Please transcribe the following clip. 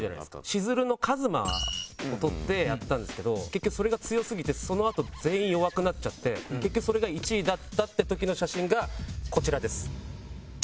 しずるのＫＡＭＡを撮ってやったんですけど結局それが強すぎてそのあと全員弱くなっちゃって結局それが１位だったって時の写真がこちらです。